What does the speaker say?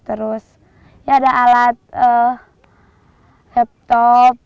terus ada alat laptop